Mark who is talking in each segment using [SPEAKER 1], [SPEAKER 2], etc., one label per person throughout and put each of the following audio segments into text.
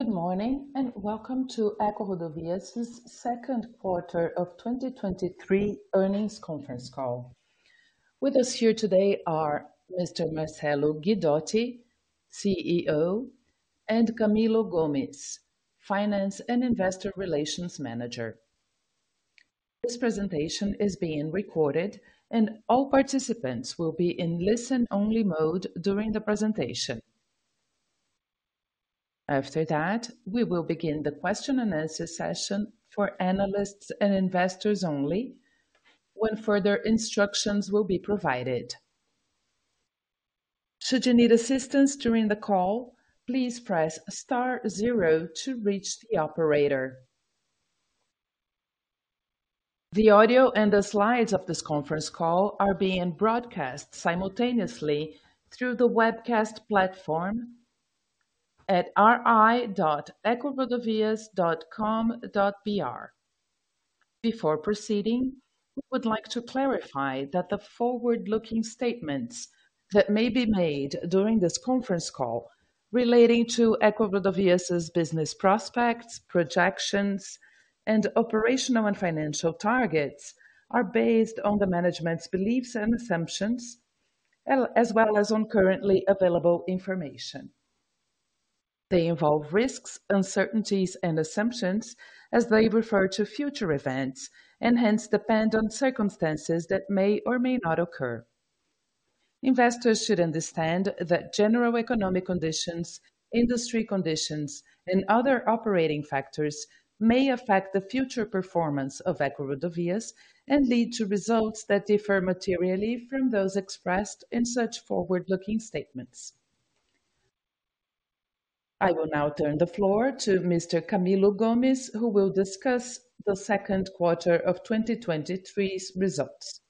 [SPEAKER 1] Good morning, and welcome to EcoRodovias' second quarter of 2023 earnings conference call. With us here today are Mr. Marcello Guidotti, CEO, and Camilo Gomes, Finance and Investor Relations Manager. This presentation is being recorded and all participants will be in listen-only mode during the presentation. After that, we will begin the question and answer session for analysts and investors only, when further instructions will be provided. Should you need assistance during the call, please press star zero to reach the operator. The audio and the slides of this conference call are being broadcast simultaneously through the webcast platform at ri.ecorodovias.com.br. Before proceeding, we would like to clarify that the forward-looking statements that may be made during this conference call relating to EcoRodovias' business prospects, projections, and operational and financial targets, are based on the management's beliefs and assumptions, as well as on currently available information. They involve risks, uncertainties, and assumptions as they refer to future events, and hence depend on circumstances that may or may not occur. Investors should understand that general economic conditions, industry conditions, and other operating factors may affect the future performance of EcoRodovias and lead to results that differ materially from those expressed in such forward-looking statements. I will now turn the floor to Mr. Camilo Gomes, who will discuss the second quarter of 2023's results.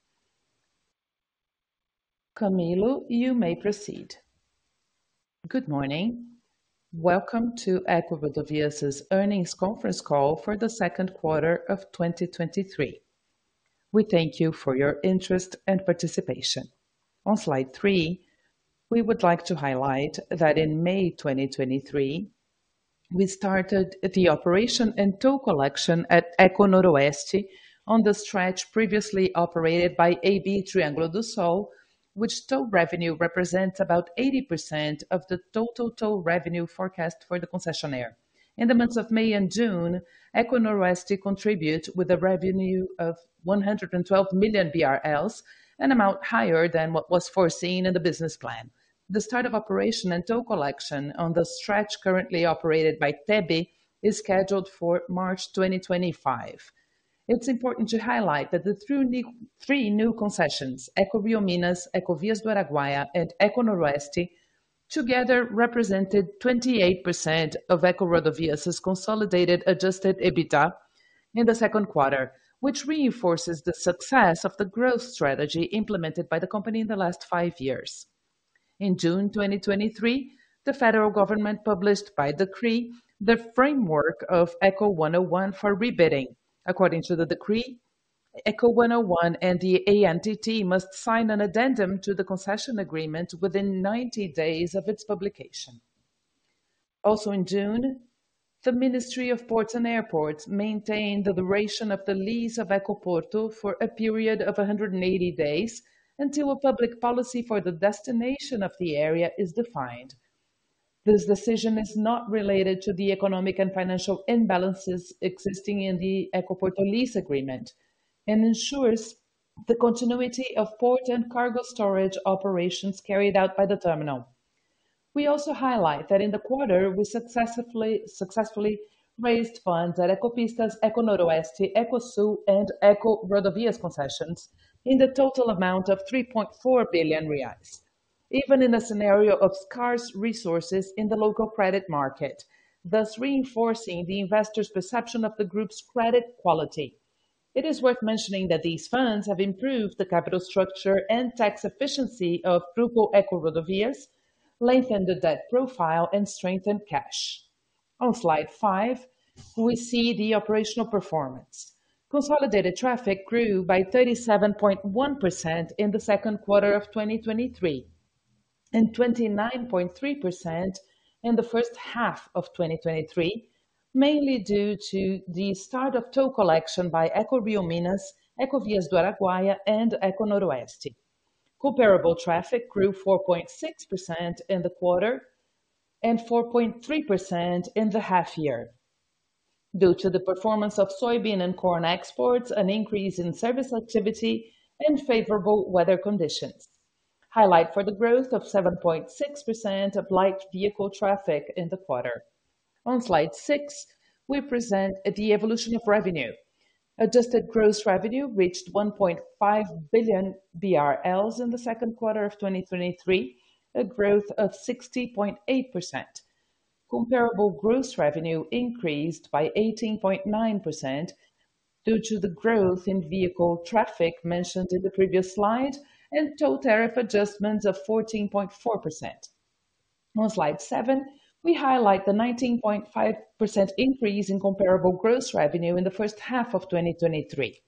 [SPEAKER 1] Camilo, you may proceed.
[SPEAKER 2] Good morning. Welcome to EcoRodovias' earnings conference call for the second quarter of 2023. We thank you for your interest and participation. On slide three, we would like to highlight that in May 2023, we started the operation and toll collection at EcoNoroeste on the stretch previously operated by AB Triângulo do Sol, which toll revenue represents about 80% of the total toll revenue forecast for the concessionaire. In the months of May and June, EcoNoroeste contribute with a revenue of 112 million BRL, an amount higher than what was foreseen in the business plan. The start of operation and toll collection on the stretch currently operated by TEBE is scheduled for March 2025. It's important to highlight that the three new concessions, EcoRioMinas, Ecovias do Araguaia, and EcoNoroeste, together represented 28% of EcoRodovias' consolidated adjusted EBITDA in the second quarter, which reinforces the success of the growth strategy implemented by the company in the last five years. In June 2023, the federal government published by decree, the framework of Eco101 for rebidding. According to the decree, Eco101 and the ANTT must sign an addendum to the concession agreement within 90 days of its publication. Also in June, the Ministry of Ports and Airports maintained the duration of the lease of Ecoporto for a period of 180 days, until a public policy for the destination of the area is defined. This decision is not related to the economic and financial imbalances existing in the Ecoporto lease agreement, and ensures the continuity of port and cargo storage operations carried out by the terminal. We also highlight that in the quarter, we successfully raised funds at Ecopistas, EcoNoroeste, Ecosul, and EcoRodovias concessions in the total amount of 3.4 billion reais, even in a scenario of scarce resources in the local credit market, thus reinforcing the investors' perception of the group's credit quality. It is worth mentioning that these funds have improved the capital structure and tax efficiency of Grupo EcoRodovias, lengthened the debt profile, and strengthened cash. On slide five, we see the operational performance. Consolidated traffic grew by 37.1% in the second quarter 2023, and 29.3% in the first half 2023, mainly due to the start of toll collection by EcoRioMinas, Ecovias do Araguaia, and EcoNoroeste. Comparable traffic grew 4.6% in the quarter, and 4.3% in the half year, due to the performance of soybean and corn exports, an increase in service activity, and favorable weather conditions. Highlight for the growth of 7.6% of light vehicle traffic in the quarter. On slide six, we present the evolution of revenue. Adjusted gross revenue reached 1.5 billion BRL in the second quarter of 2023, a growth of 60.8%. Comparable gross revenue increased by 18.9%, due to the growth in vehicle traffic mentioned in the previous slide, and toll tariff adjustments of 14.4%. On slide seven, we highlight the 19.5% increase in comparable gross revenue in the first half of 2023.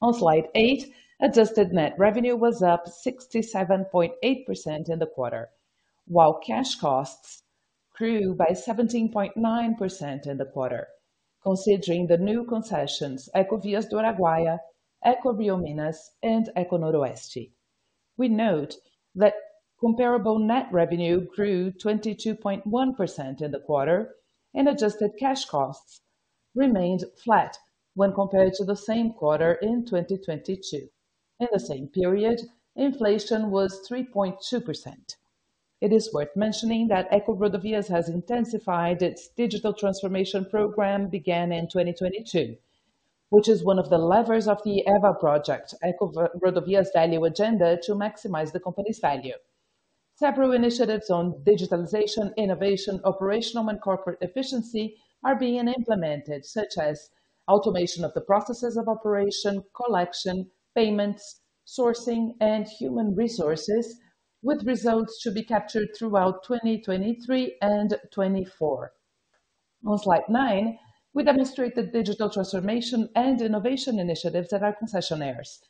[SPEAKER 2] On slide eight, adjusted net revenue was up 67.8% in the quarter, while cash costs grew by 17.9% in the quarter, considering the new concessions, Ecovias do Araguaia, EcoRioMinas, and EcoNoroeste. We note that comparable net revenue grew 22.1% in the quarter, and adjusted cash costs remained flat when compared to the same quarter in 2022. In the same period, inflation was 3.2%. It is worth mentioning that EcoRodovias has intensified its digital transformation program began in 2022, which is one of the levers of the EVA project, EcoRodovias Value Agenda, to maximize the company's value. Several initiatives on digitalization, innovation, operational and corporate efficiency are being implemented, such as automation of the processes of operation, collection, payments, sourcing, and human resources, with results to be captured throughout 2023 and 2024. On slide nine, we demonstrate the digital transformation and innovation initiatives at our concessionaires.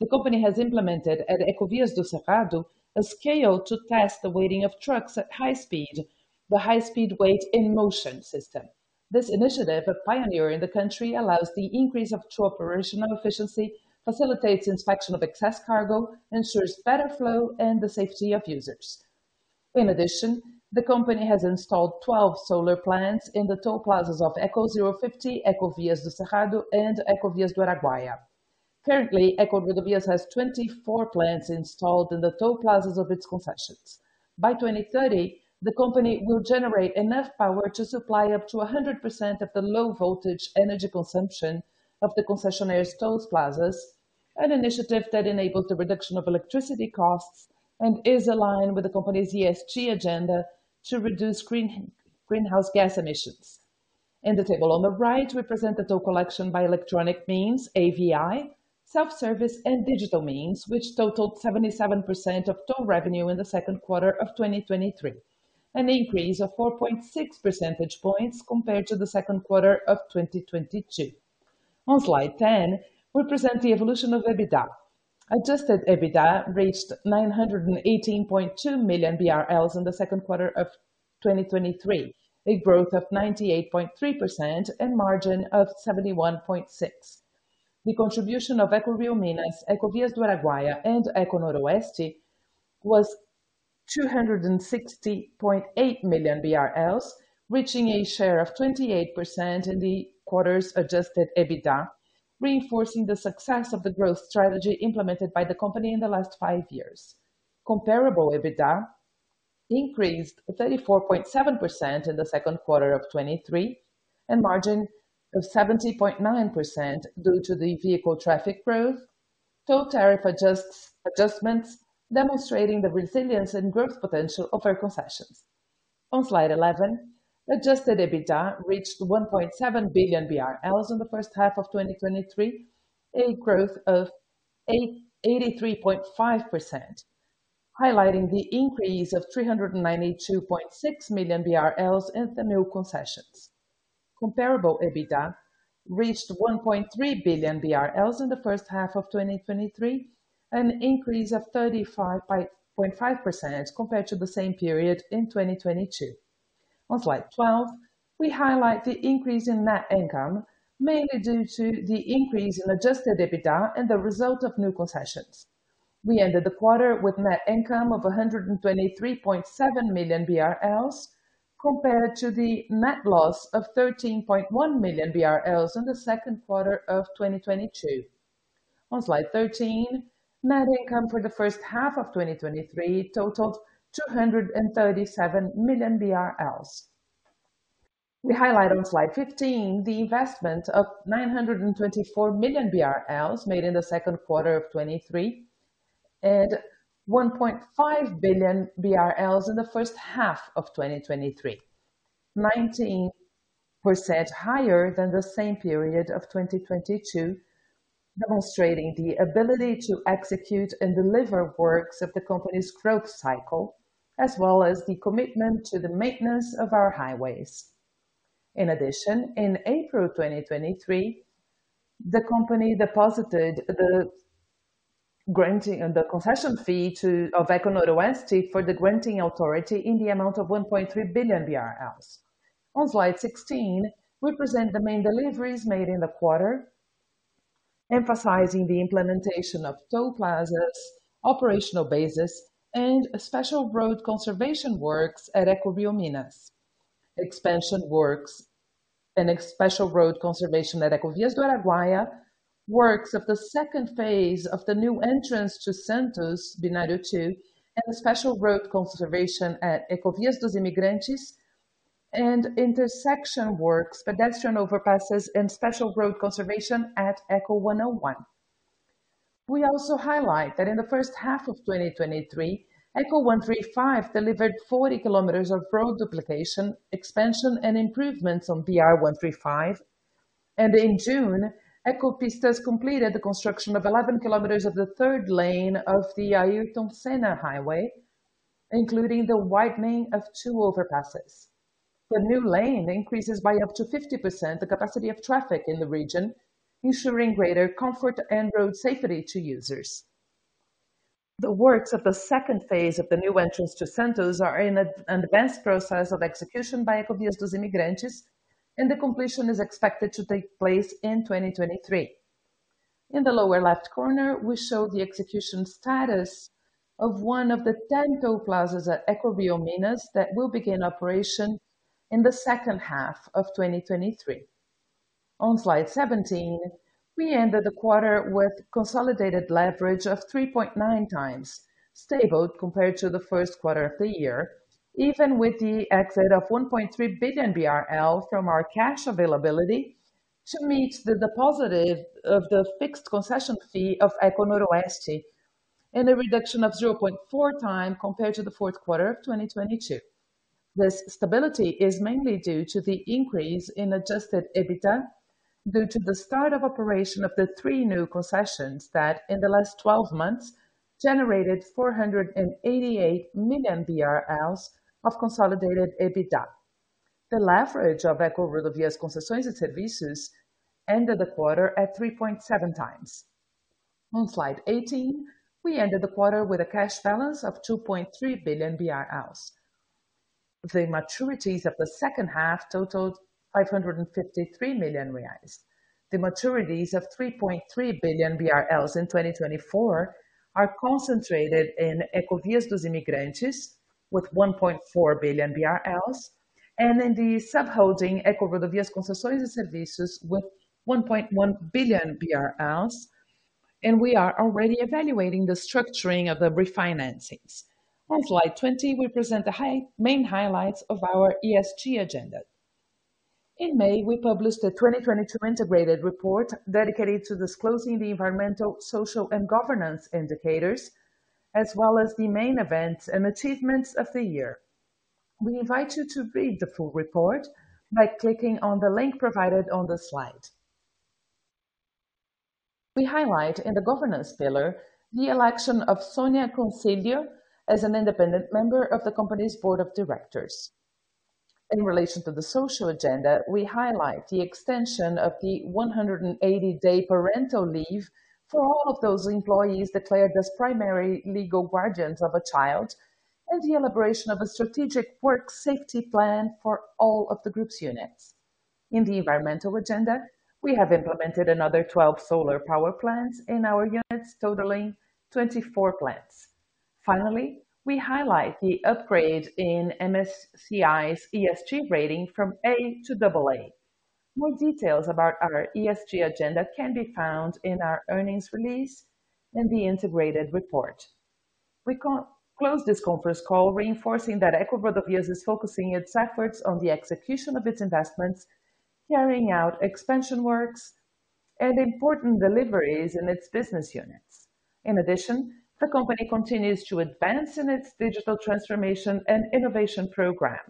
[SPEAKER 2] The company has implemented at Ecovias do Cerrado, a scale to test the weighting of trucks at high speed, the high-speed weigh-in-motion system. This initiative, a pioneer in the country, allows the increase of operational efficiency, facilitates inspection of excess cargo, ensures better flow and the safety of users. In addition, the company has installed 12 solar plants in the toll plazas of Eco050, Ecovias do Cerrado, and Ecovias do Araguaia. Currently, EcoRodovias has 24 plants installed in the toll plazas of its concessions. By 2030, the company will generate enough power to supply up to 100% of the low-voltage energy consumption of the concessionaire's toll plazas, an initiative that enables the reduction of electricity costs and is aligned with the company's ESG agenda to reduce greenhouse gas emissions. In the table on the right, we present the toll collection by electronic means, AVI, self-service and digital means, which totaled 77% of toll revenue in the second quarter of 2023, an increase of 4.6 percentage points compared to the second quarter of 2022. On slide 10, we present the evolution of EBITDA. Adjusted EBITDA reached 918.2 million BRL in the second quarter of 2023, a growth of 98.3% and margin of 71.6. The contribution of EcoRioMinas, Ecovias do Araguaia, and EcoNoroeste was 260.8 million BRL, reaching a share of 28% in the quarter's adjusted EBITDA, reinforcing the success of the growth strategy implemented by the company in the last five years. Comparable EBITDA increased 34.7% in the second quarter 2023, and margin of 70.9% due to the vehicle traffic growth, toll tariff adjustments, demonstrating the resilience and growth potential of our concessions. On slide 11, adjusted EBITDA reached 1.7 billion BRL in the first half of 2023, a growth of 83.5%, highlighting the increase of 392.6 million in the new concessions. Comparable EBITDA reached 1.3 billion BRL in the first half of 2023, an increase of 35.5% compared to the same period in 2022. On slide 12, we highlight the increase in net income, mainly due to the increase in adjusted EBITDA and the result of new concessions. We ended the quarter with net income of 123.7 million BRL, compared to the net loss of 13.1 million BRL in the second quarter of 2022. On slide 13, net income for the first half of 2023 totaled 237 million BRL. We highlight on slide 15, the investment of 924 million BRL made in the second quarter of 2023, and 1.5 billion BRL in the first half of 2023, 19% higher than the same period of 2022, demonstrating the ability to execute and deliver works of the company's growth cycle, as well as the commitment to the maintenance of our highways. In addition, in April 2023, the company deposited the granting and the concession fee of EcoNoroeste for the granting authority in the amount of 1.3 billion BRL. On slide 16, we present the main deliveries made in the quarter, emphasizing the implementation of toll plazas, operational bases, and a special road conservation works at EcoRioMinas. Expansion works and a special road conservation at Ecovias do Araguaia, works of the second phase of the new entrance to Santos, Binário II, and a special road conservation at Ecovias dos Imigrantes, and intersection works, pedestrian overpasses, and special road conservation at Eco101. We also highlight that in the first half of 2023. Eco135 delivered 40 km of road duplication, expansion, and improvements on BR-135, and in June, Ecopistas completed the construction of 11 km of the third lane of the Ayrton Senna highway, including the widening of two overpasses. The new lane increases by up to 50% the capacity of traffic in the region, ensuring greater comfort and road safety to users. The works of the second phase of the new entrance to Santos are in an advanced process of execution by Ecovias dos Imigrantes, and the completion is expected to take place in 2023. In the lower left corner, we show the execution status of one of the 10 toll plazas at EcoRioMinas, that will begin operation in the second half of 2023. On slide 17, we ended the quarter with consolidated leverage of 3.9x, stable compared to the first quarter of the year, even with the exit of 1.3 billion BRL from our cash availability to meet the deposit of the fixed concession fee of EcoNoroeste, and a reduction of 0.4x compared to the fourth quarter of 2022. This stability is mainly due to the increase in adjusted EBITDA, due to the start of operation of the three new concessions that in the last 12 months generated 488 million BRL of consolidated EBITDA. The leverage of EcoRodovias Concessões e Serviços ended the quarter at 3.7x. On slide 18, we ended the quarter with a cash balance of 2.3 billion BRL. The maturities of the second half totaled 553 million reais. The maturities of 3.3 billion BRL in 2024 are concentrated in Ecovias dos Imigrantes, with 1.4 billion BRL, in the subholding, EcoRodovias Concessões e Serviços, with 1.1 billion BRL, we are already evaluating the structuring of the refinancings. On slide 20, we present the main highlights of our ESG agenda. In May, we published the 2022 Integrated Report dedicated to disclosing the environmental, social, and governance indicators, as well as the main events and achievements of the year. We invite you to read the full report by clicking on the link provided on the slide. We highlight in the governance pillar, the election of Sonia Consiglio as an independent member of the company's board of directors. In relation to the social agenda, we highlight the extension of the 180-day parental leave for all of those employees declared as primary legal guardians of a child, and the elaboration of a strategic work safety plan for all of the group's units. In the environmental agenda, we have implemented another 12 solar power plants in our units, totaling 24 plants. Finally, we highlight the upgrade in MSCI's ESG rating from A to AA. More details about our ESG agenda can be found in our earnings release and the integrated report. We close this conference call reinforcing that EcoRodovias is focusing its efforts on the execution of its investments, carrying out expansion works and important deliveries in its business units. The company continues to advance in its digital transformation and innovation program,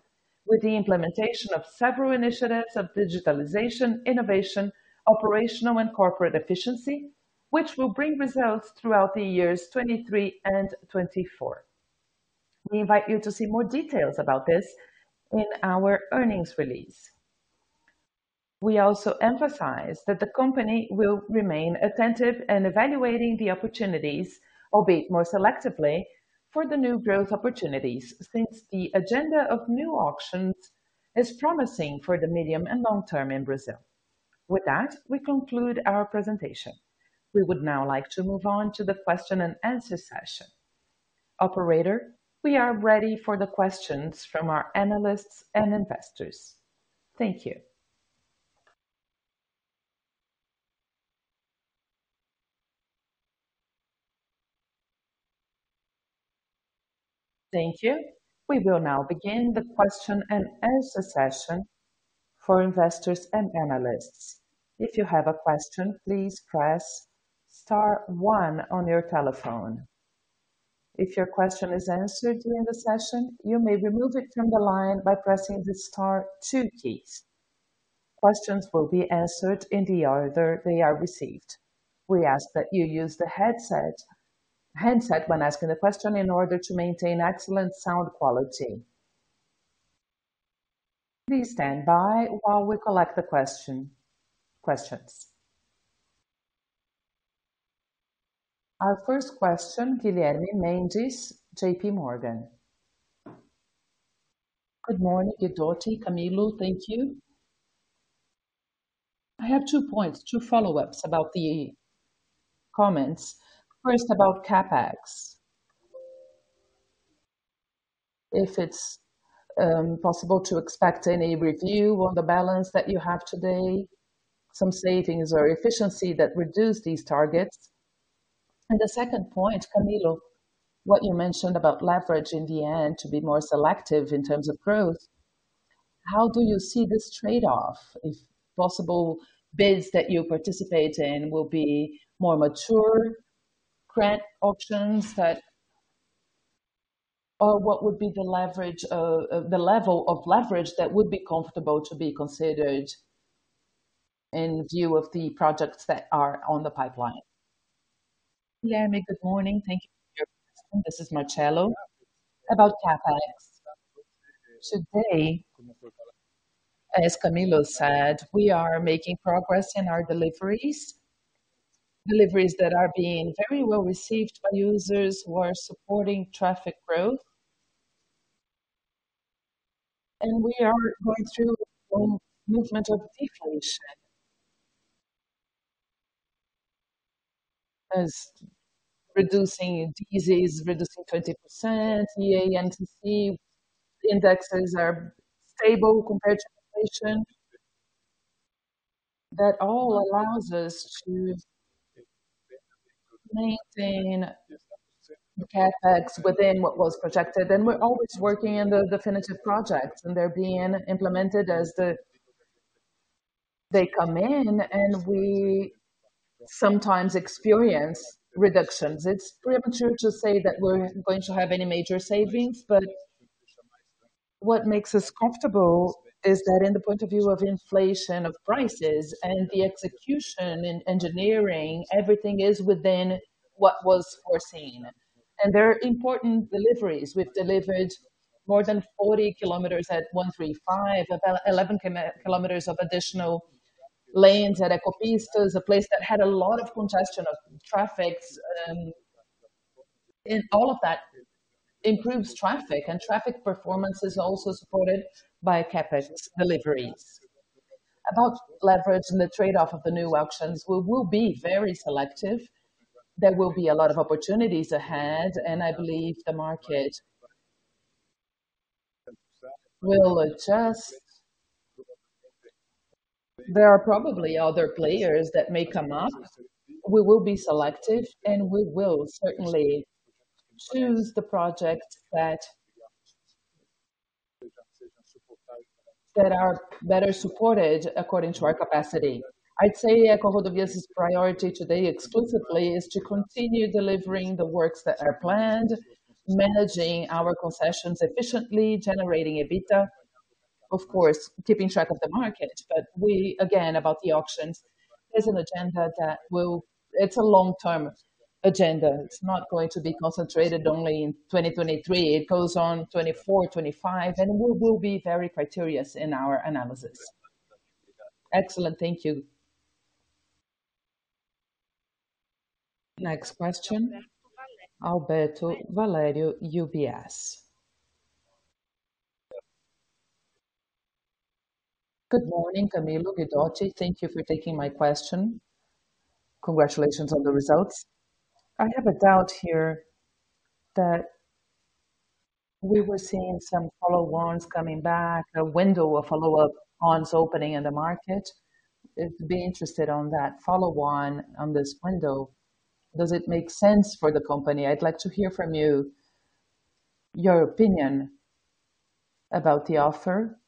[SPEAKER 2] with the implementation of several initiatives of digitalization, innovation, operational and corporate efficiency, which will bring results throughout the years 2023 and 2024. We invite you to see more details about this in our earnings release. We also emphasize that the company will remain attentive and evaluating the opportunities, albeit more selectively, for the new growth opportunities, since the agenda of new auctions is promising for the medium and long term in Brazil. We conclude our presentation. We would now like to move on to the question and answer session. Operator, we are ready for the questions from our analysts and investors. Thank you.
[SPEAKER 1] Thank you. We will now begin the question and answer session for investors and analysts. If you have a question, please press star one on your telephone. If your question is answered during the session, you may remove it from the line by pressing the star two key. Questions will be answered in the order they are received. We ask that you use the headset, handset when asking a question in order to maintain excellent sound quality. Please stand by while we collect the questions. Our first question, Guilherme Mendes, JPMorgan.
[SPEAKER 3] Good morning, Guidotti, Camilo. Thank you. I have two points, two follow-ups about the comments. First, about CapEx. If it's possible to expect any review on the balance that you have today, some savings or efficiency that reduce these targets? The second point, Camilo, what you mentioned about leverage in the end, to be more selective in terms of growth, how do you see this trade-off, if possible, bids that you participate in will be more mature grant auctions that, or what would be the leverage, the level of leverage that would be comfortable to be considered in view of the projects that are on the pipeline?
[SPEAKER 4] Yeah, good morning. Thank you for your question. This is Marcello. About CapEx, today, as Camilo said, we are making progress in our deliveries. Deliveries that are being very well received by users who are supporting traffic growth. We are going through a movement of deflation. Reducing [indexes], reducing 30%, EA and TC indexes are stable compared to inflation. That all allows us to maintain the CapEx within what was projected. We're always working in the definitive projects, and they're being implemented as they come in, and we sometimes experience reductions. It's premature to say that we're going to have any major savings. What makes us comfortable is that in the point of view of inflation, of prices and the execution in engineering, everything is within what was foreseen. There are important deliveries. We've delivered more than 40 km at 135, about 11 km of additional lanes at Ecopistas, a place that had a lot of congestion of traffics, in all of that, improves traffic, and traffic performance is also supported by CapEx deliveries. About leverage and the trade-off of the new auctions, we will be very selective. There will be a lot of opportunities ahead, and I believe the market will adjust. There are probably other players that may come up. We will be selective, and we will certainly choose the project that, that are, that are supported according to our capacity. I'd say EcoRodovias' priority today exclusively, is to continue delivering the works that are planned, managing our concessions efficiently, generating EBITDA, of course, keeping track of the market. Again, about the auctions, there's an agenda that will, it's a long-term agenda. It's not going to be concentrated only in 2023. It goes on 2024, 2025, and we will be very criterious in our analysis.
[SPEAKER 3] Excellent. Thank you.
[SPEAKER 1] Next question, Alberto Valerio, UBS.
[SPEAKER 5] Good morning, Camilo, Guidotti. Thank you for taking my question. Congratulations on the results. I have a doubt here that we were seeing some follow-ons coming back, a window of follow-ons opening in the market. I'd be interested on that follow-on, on this window. Does it make sense for the company? I'd like to hear from you, your opinion about the offer,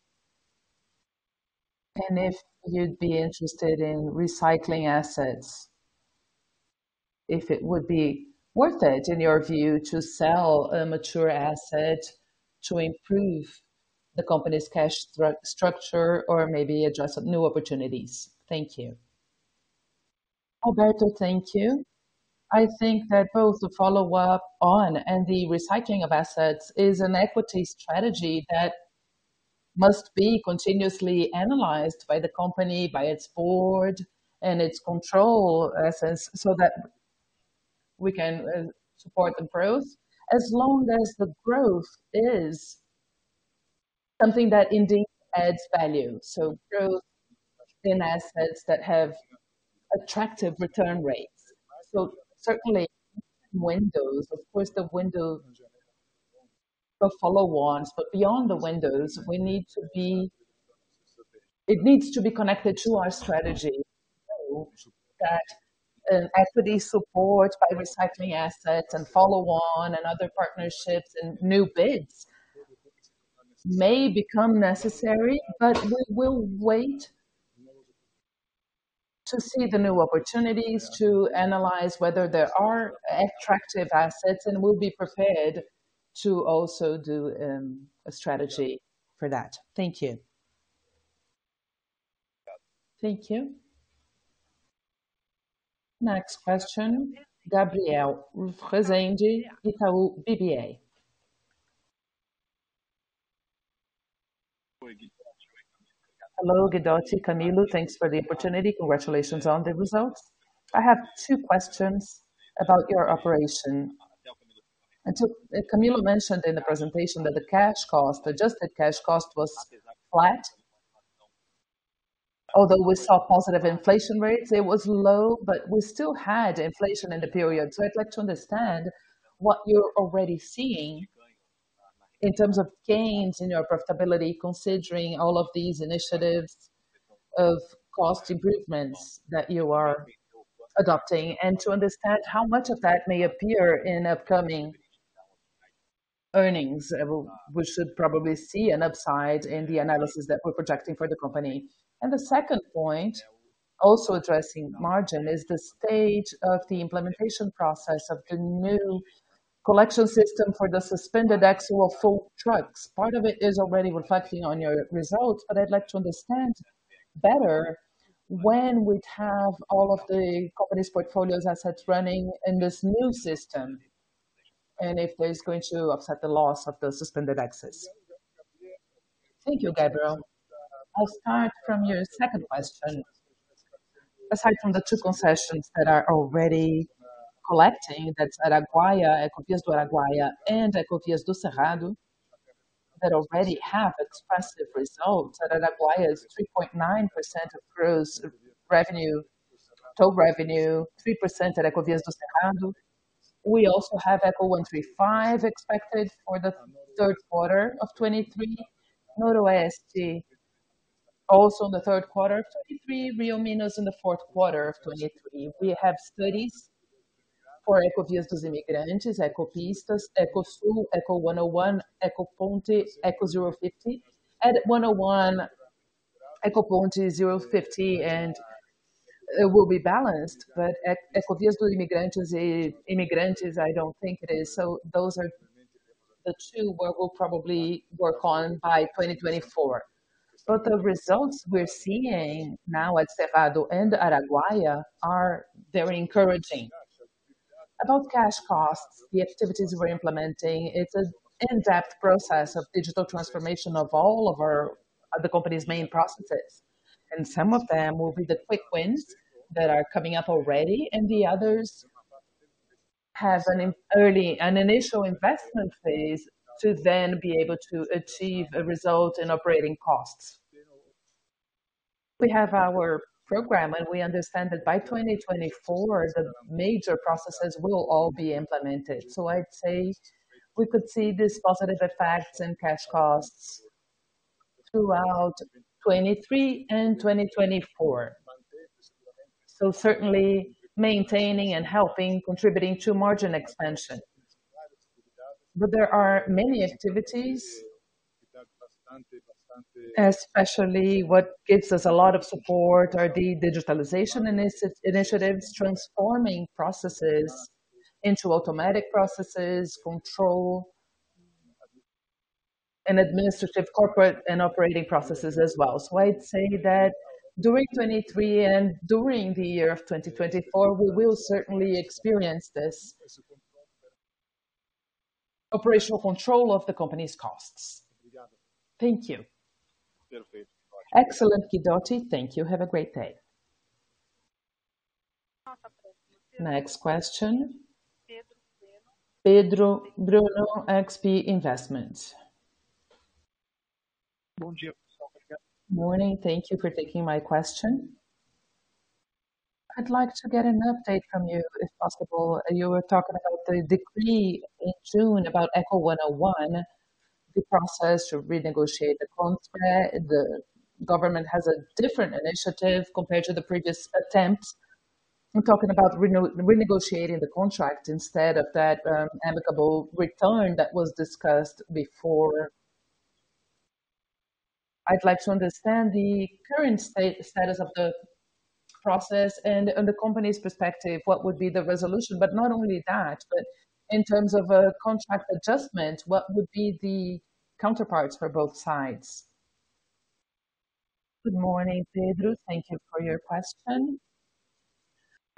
[SPEAKER 5] and if you'd be interested in recycling assets, if it would be worth it, in your view, to sell a mature asset to improve the company's cash structure or maybe address new opportunities. Thank you.
[SPEAKER 4] Alberto, thank you. I think that both the follow-on and the recycling of assets is an equity strategy that must be continuously analyzed by the company, by its board and its control assets, so that we can support the growth, as long as the growth is something that indeed adds value, so growth in assets that have attractive return rates. Certainly, windows, of course, the window will follow-ons, but beyond the windows, it needs to be connected to our strategy, so that an equity support by recycling assets and follow-ons and other partnerships and new bids may become necessary, but we will wait to see the new opportunities to analyze whether there are attractive assets, and we'll be prepared to also do a strategy for that. Thank you.
[SPEAKER 5] Thank you.
[SPEAKER 1] Next question, Gabriel Rezende, Itaú BBA.
[SPEAKER 6] Hello, Guidotti, Camilo. Thanks for the opportunity. Congratulations on the results. I have two questions about your operation. Camilo mentioned in the presentation that the cash cost, adjusted cash cost was flat. Although we saw positive inflation rates, it was low, but we still had inflation in the period. I'd like to understand what you're already seeing in terms of gains in your profitability, considering all of these initiatives of cost improvements that you are adopting, and to understand how much of that may appear in upcoming earnings. We should probably see an upside in the analysis that we're projecting for the company. The second point, also addressing margin, is the stage of the implementation process of the new collection system for the suspended axle for trucks. Part of it is already reflecting on your results, but I'd like to understand better when we'd have all of the company's portfolio assets running in this new system, and if that is going to offset the loss of the suspended axles?
[SPEAKER 4] Thank you, Gabriel. I'll start from your second question. Aside from the two concessions that are already collecting, that's Araguaia, Ecovias do Araguaia, and Ecovias do Cerrado, that already have expressive results. At Araguaia is 3.9% of gross revenue, toll revenue, 3% at Ecovias do Cerrado. We also have Eco135 expected for the 3rd quarter of 2023. EcoNoroeste, also in the 3rd quarter of 2023, EcoRioMinas in the 4th quarter of 2023. We have studies for Ecovias dos Imigrantes, Ecopistas, Ecosul, Eco101, Ecoponte, Eco050. At Eco101, Ecoponte, Eco050 will be balanced, but at Ecovias dos Imigrantes, Imigrantes, I don't think it is. Those are the two where we'll probably work on by 2024. The results we're seeing now at Cerrado and Araguaia are very encouraging. About cash costs, the activities we're implementing, it's an in-depth process of digital transformation of all of our the company's main processes, and some of them will be the quick wins that are coming up already, and the others have an initial investment phase to then be able to achieve a result in operating costs. We have our program, and we understand that by 2024, the major processes will all be implemented. I'd say we could see these positive effects in cash costs throughout 2023 and 2024. Certainly maintaining and helping, contributing to margin expansion. There are many activities, especially what gives us a lot of support are the digitalization initiatives, transforming processes into automatic processes, control, and administrative, corporate, and operating processes as well. I'd say that during 2023 and during the year of 2024, we will certainly experience this operational control of the company's costs. Thank you.
[SPEAKER 6] Excellent, Guidotti. Thank you. Have a great day.
[SPEAKER 1] Next question. Pedro Bruno, XP Investments.
[SPEAKER 7] Good morning. Morning, thank you for taking my question. I'd like to get an update from you, if possible. You were talking about the decree in June about Eco101, the process to renegotiate the contract. The government has a different initiative compared to the previous attempt. I'm talking about renegotiating the contract instead of that amicable return that was discussed before. I'd like to understand the current status of the process and in the company's perspective, what would be the resolution? Not only that, but in terms of a contract adjustment, what would be the counterparts for both sides?
[SPEAKER 4] Good morning, Pedro. Thank you for your question.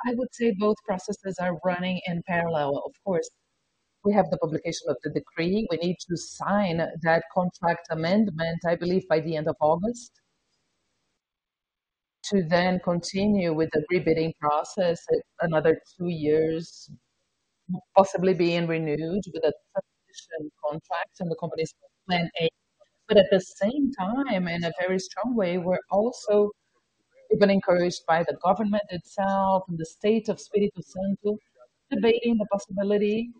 [SPEAKER 4] I would say both processes are running in parallel. Of course, we have the publication of the decree. We need to sign that contract amendment, I believe, by the end of August, to then continue with the rebidding process, another two years, possibly being renewed with a transition contract and the company's plan A. At the same time, in a very strong way, we're also even encouraged by the government itself and the state of Espírito Santo, debating the possibility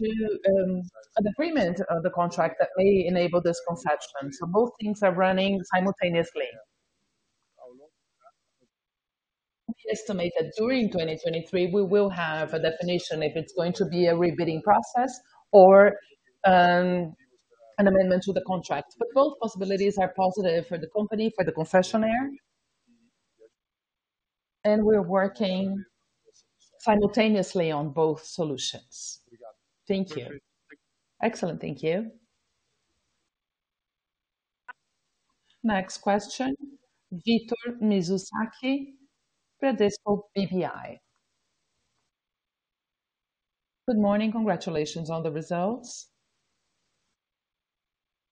[SPEAKER 4] to an agreement of the contract that may enable this concession. Both things are running simultaneously. We estimate that during 2023, we will have a definition if it's going to be a rebidding process or an amendment to the contract. Both possibilities are positive for the company, for the concessionaire, and we're working simultaneously on both solutions. Thank you.
[SPEAKER 7] Excellent. Thank you.
[SPEAKER 1] Next question, Victor Mizusaki with Bradesco BBI.
[SPEAKER 8] Good morning. Congratulations on the results.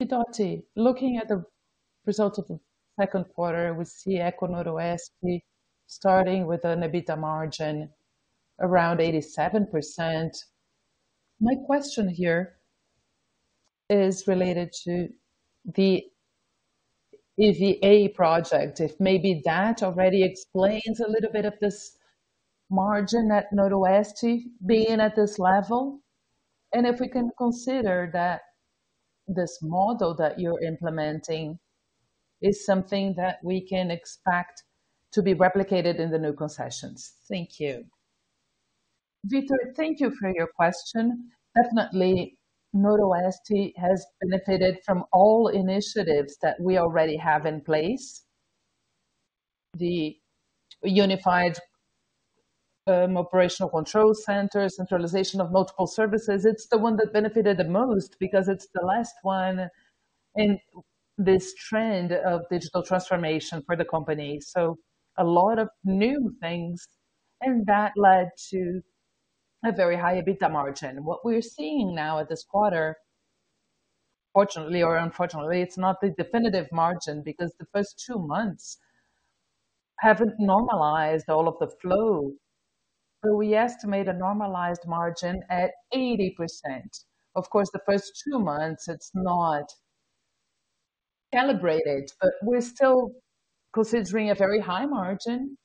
[SPEAKER 8] Guidotti, looking at the results of the second quarter, we see EcoNoroeste starting with an EBITDA margin around 87%. My question here is related to the EVA project, if maybe that already explains a little bit of this margin at Noroeste being at this level, and if we can consider that this model that you're implementing is something that we can expect to be replicated in the new concessions? Thank you.
[SPEAKER 4] Victor, thank you for your question. Definitely, Noroeste has benefited from all initiatives that we already have in place. The unified operational control center, centralization of multiple services. It's the one that benefited the most, because it's the last one in this trend of digital transformation for the company. A lot of new things, and that led to a very high EBITDA margin. What we're seeing now at this quarter, fortunately or unfortunately, it's not the definitive margin, because the first two months haven't normalized all of the flow. We estimate a normalized margin at 80%. Of course, the first two months, it's not calibrated, but we're still considering a very high margin.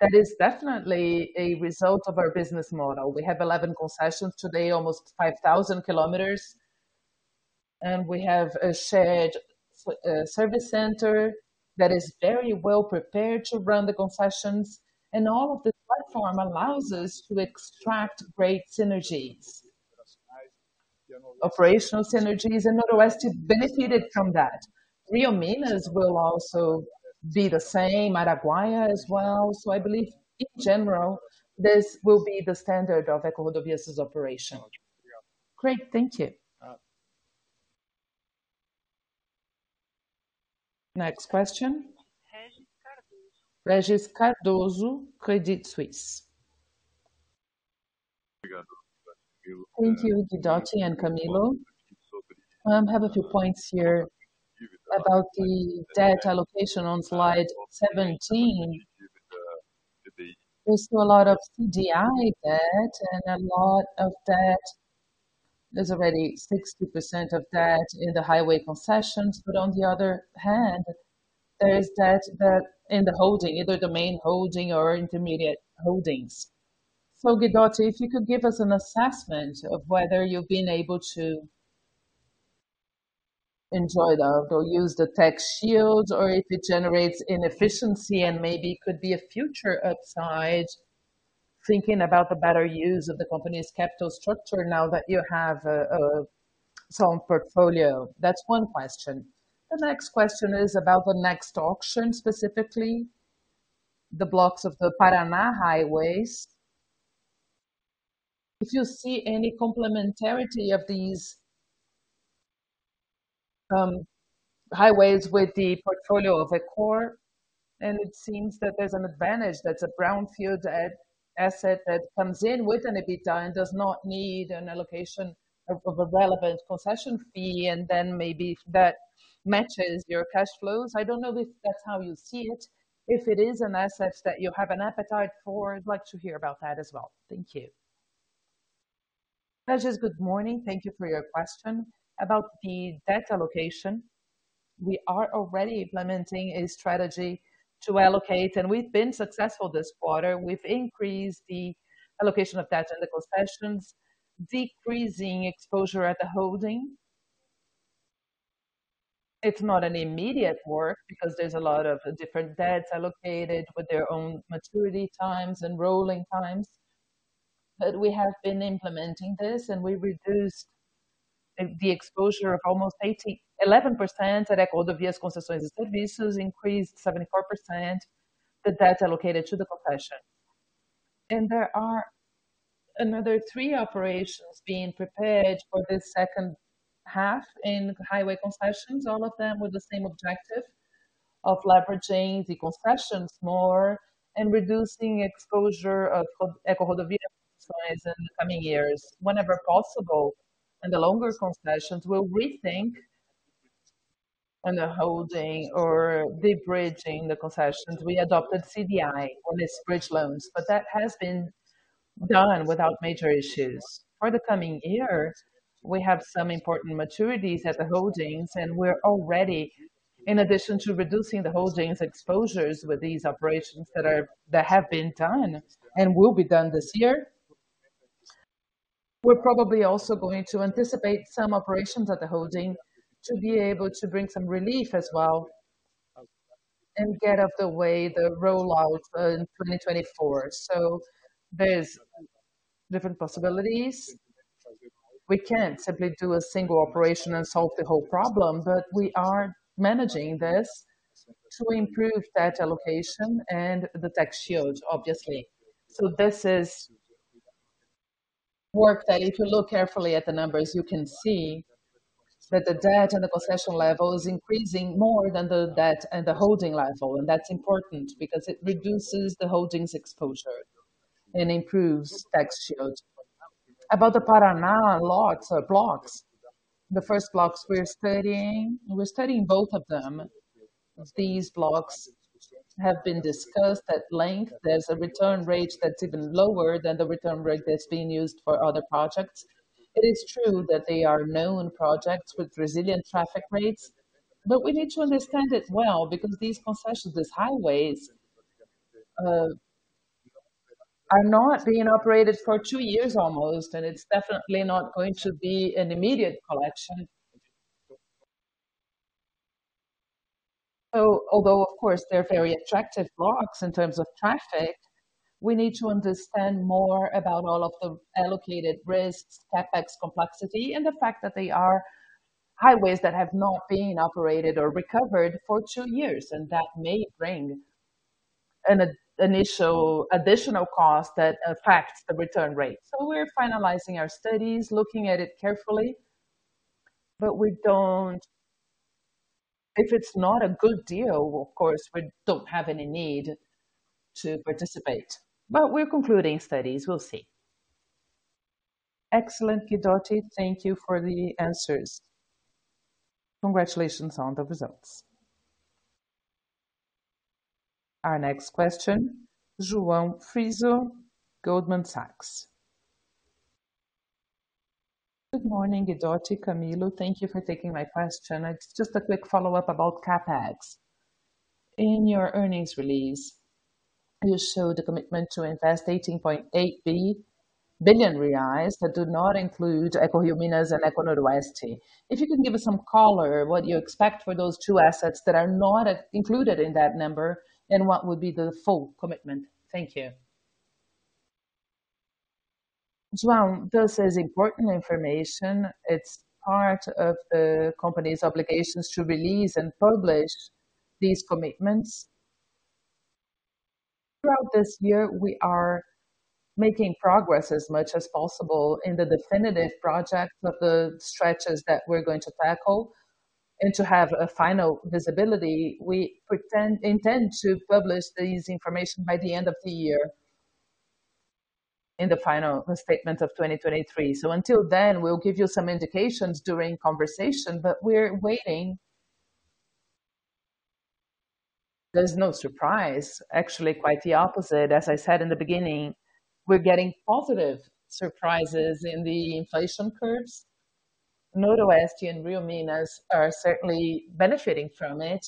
[SPEAKER 4] That is definitely a result of our business model. We have 11 concessions today, almost 5,000 km, and we have a shared service center that is very well prepared to run the concessions, and all of the platform allows us to extract great synergies. Operational synergies, Noroeste benefited from that. Rio Minas will also be the same, Araguaia as well. I believe, in general, this will be the standard of EcoRodovias' operation.
[SPEAKER 8] Great, thank you.
[SPEAKER 1] Next question. Regis Cardoso, Credit Suisse.
[SPEAKER 9] Thank you, Guidotti and Camilo. I have a few points here about the debt allocation on slide 17. We saw a lot of DDI debt and a lot of debt. There's already 60% of debt in the highway concessions, but on the other hand, there is debt that in the holding, either the main holding or intermediate holdings. Guidotti, if you could give us an assessment of whether you've been able to enjoy the or use the tax shield, or if it generates inefficiency and maybe could be a future upside, thinking about the better use of the company's capital structure now that you have a strong portfolio. That's one question. The next question is about the next auction, specifically the blocks of the Paraná highways. If you see any complementarity of these highways with the portfolio of ECOR, it seems that there's an advantage that's a brownfield asset that comes in with an EBITDA and does not need an allocation of a relevant concession fee. Maybe that matches your cash flows. I don't know if that's how you see it. If it is an asset that you have an appetite for, I'd like to hear about that as well. Thank you.
[SPEAKER 4] Regis, good morning. Thank you for your question. About the debt allocation, we are already implementing a strategy to allocate, and we've been successful this quarter. We've increased the allocation of debt in the concessions, decreasing exposure at the holding. It's not an immediate work because there's a lot of different debts allocated with their own maturity times and rolling times. We have been implementing this, and we reduced the exposure of 11% at EcoRodovias Concessões de Serviços, increased 74%, the debt allocated to the concession. There are another three operations being prepared for this second half in highway concessions, all of them with the same objective of leveraging the concessions more and reducing exposure of EcoRodovias in the coming years. Whenever possible, the longer concessions will rethink on the holding or debridging the concessions. We adopted CDI on this bridge loans, but that has been done without major issues. For the coming year, we have some important maturities at the holdings. We're already, in addition to reducing the holdings exposures with these operations that have been done and will be done this year, we're probably also going to anticipate some operations at the holding to be able to bring some relief as well, and get out the way the rollout in 2024. There's different possibilities. We can't simply do a single operation and solve the whole problem, but we are managing this to improve debt allocation and the tax shield, obviously. This is work that if you look carefully at the numbers, you can see that the debt and the concession level is increasing more than the debt and the holding level. That's important because it reduces the holdings exposure and improves tax shield. About the Paraná lots or blocks, the first blocks we're studying, we're studying both of them. These blocks have been discussed at length. There's a return rate that's even lower than the return rate that's being used for other projects. It is true that they are known projects with resilient traffic rates. We need to understand it well because these concessions, these highways are not being operated for two years almost. It's definitely not going to be an immediate collection. Although, of course, they're very attractive blocks in terms of traffic. We need to understand more about all of the allocated risks, CapEx complexity, and the fact that they are highways that have not been operated or recovered for two years, and that may bring an initial additional cost that affects the return rate. We're finalizing our studies, looking at it carefully, but we don't If it's not a good deal, of course, we don't have any need to participate. We're concluding studies. We'll see.
[SPEAKER 9] Excellent, Guidotti. Thank you for the answers. Congratulations on the results.
[SPEAKER 1] Our next question, João Frizo, Goldman Sachs.
[SPEAKER 10] Good morning, Guidotti, Camilo. Thank you for taking my question. It's just a quick follow-up about CapEx. In your earnings release, you showed the commitment to invest 18.8 billion reais that do not include EcoRioMinas and EcoNoroeste. If you could give us some color, what you expect for those two assets that are not included in that number, and what would be the full commitment?
[SPEAKER 4] Thank you. João, this is important information. It's part of the company's obligations to release and publish these commitments. Throughout this year, we are making progress as much as possible in the definitive project of the stretches that we're going to tackle. To have a final visibility, we intend to publish this information by the end of the year in the final statement of 2023. Until then, we'll give you some indications during conversation, but we're waiting. There's no surprise, actually, quite the opposite. As I said in the beginning, we're getting positive surprises in the inflation curves. Noroeste and Rio Minas are certainly benefiting from it.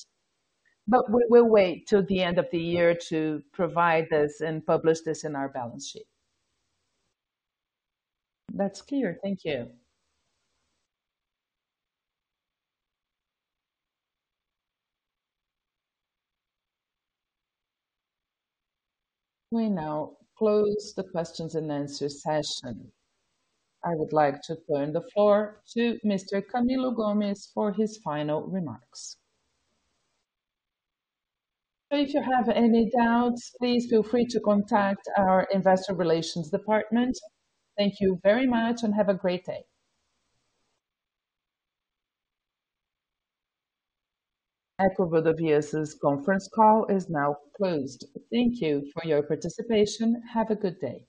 [SPEAKER 4] We'll wait till the end of the year to provide this and publish this in our balance sheet.
[SPEAKER 10] That's clear. Thank you.
[SPEAKER 1] We now close the questions and answer session. I would like to turn the floor to Mr. Camilo Gomes for his final remarks.
[SPEAKER 2] If you have any doubts, please feel free to contact our investor relations department. Thank you very much, and have a great day.
[SPEAKER 1] EcoRodovias' conference call is now closed. Thank you for your participation. Have a good day.